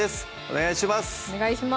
お願いします